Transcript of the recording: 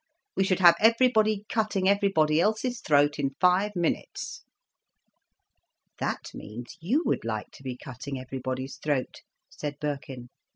We should have everybody cutting everybody else's throat in five minutes." "That means you would like to be cutting everybody's throat," said Birkin.